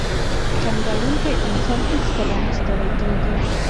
• خندېدونکی انسان هیڅکله نه ستړی کېږي.